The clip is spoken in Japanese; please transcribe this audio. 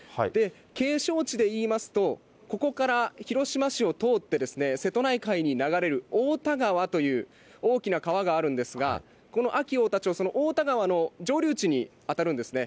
景勝地でいいますと、ここから広島市を通って、瀬戸内海に流れるおおた川という大きな川があるんですが、この安芸太田町、その太田川の上流地に当たるんですね。